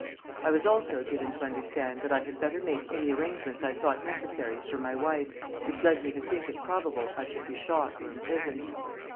I was also given to understand that I had better make any arrangements I thought necessary for my wife, which led me to think it probable I should be shot or imprisoned.